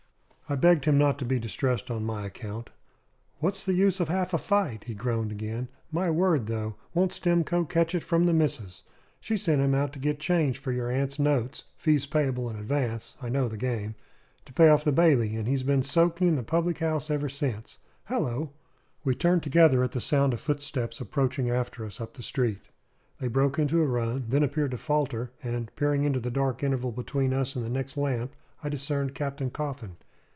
I begged him not to be distressed on my account. "What's the use of half a fight?" he groaned again. "My word, though, won't Stimcoe catch it from the missus! She sent him out to get change for your aunt's notes 'fees payable in advance.' I know the game to pay off the bailey; and he's been soaking in a public house ever since. Hallo!" We turned together at the sound of footsteps approaching after us up the street. They broke into a run, then appeared to falter; and, peering into the dark interval between us and the next lamp, I discerned Captain Coffin.